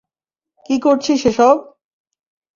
কী করছিস এসব?